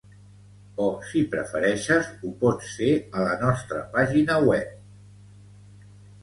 O si prefereixes, ho pots fer a la nostra pàgina web.